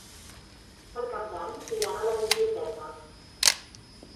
Per Cap d'Any iran a la biblioteca.